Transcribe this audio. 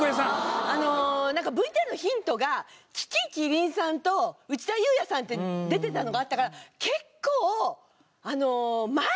あのなんかＶＴＲのヒントが樹木希林さんと内田裕也さんって出てたのがあったから結構前のカップルなのかなと。